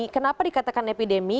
kenapa dikatakan epidemi